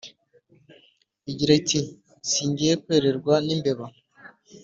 igira iti :"singiye kwererwa n' imbeba".